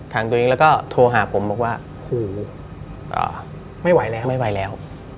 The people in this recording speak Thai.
ตัวเองแล้วก็โทรหาผมบอกว่าหูไม่ไหวแล้วไม่ไหวแล้ว